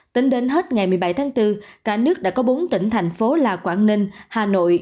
tính đến hết ngày một mươi bảy tháng bốn cả nước đã có bốn tỉnh thành phố là quảng ninh hà nội